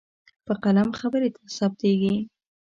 په قلم خبرې ثبتېږي.